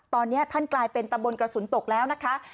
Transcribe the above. ตอนนี้ท่านกลายเป็นตำบลกระสุนตกแล้วนะคะ